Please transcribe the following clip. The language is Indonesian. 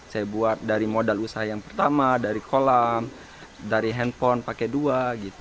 saya buat dari modal usaha yang pertama dari kolam dari handphone pakai dua